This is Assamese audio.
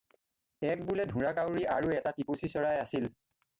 এক বোলে ঢোঁৰাকাউৰী আৰু এটা টিপচীচৰাই আছিল।